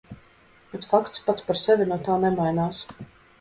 Bet fakts pats par sevi no tā nemainās.